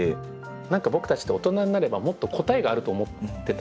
何か僕たちって大人になればもっと答えがあると思ってたんですよね。